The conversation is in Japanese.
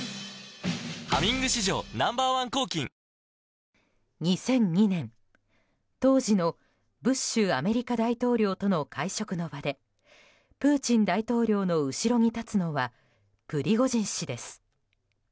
「ハミング」史上Ｎｏ．１抗菌２００２年、当時のブッシュアメリカ大統領との会食の場でプーチン大統領の後ろに立つのはプリゴジン氏です。